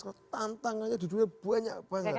karena tantangannya dua duanya banyak banyak